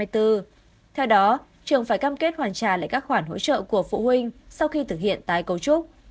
theo đó trường phải cam kết hoàn trả lại các khoản hỗ trợ của phụ huynh sau khi thực hiện tái cấu trúc